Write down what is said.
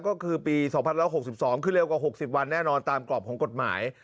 ก็คือปี๒๐๖๒คือเร็วกว่า๖๐วันแน่นอนตามกรอบของกฎหมาย